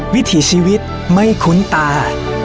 วิถีชีวิตไม่คุ้นตา